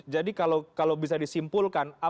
jadi kalau bisa disimpulkan